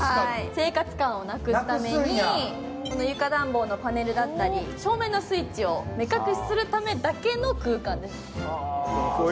生活感をなくすために床暖房のパネルだったり照明のスイッチを目隠しするためだけの空間です。